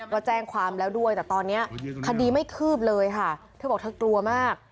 ว่าแจ้งความแล้วด้วยแต่ตอนนี้คดีไม่คืบเลยค่ะเธอบอกเธอกลัวมาก